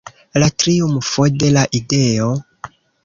La triumfo de la ideo!